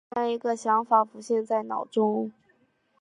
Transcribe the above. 忽然一个想法浮现在脑中